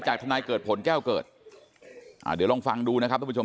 ทนายเกิดผลแก้วเกิดอ่าเดี๋ยวลองฟังดูนะครับทุกผู้ชม